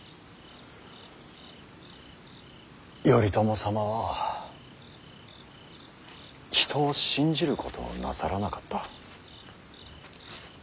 頼朝様は人を信じることをなさらなかった。